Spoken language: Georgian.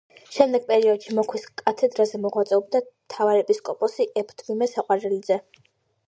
შემდგომ პერიოდში მოქვის კათედრაზე მოღვაწეობდა მთავარეპისკოპოსი ეფთვიმე საყვარელიძე.